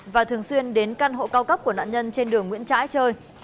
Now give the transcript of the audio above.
và thường xuyên đến căn hộ cao cấp của nạn nhân trên đường nguyễn trãi chơi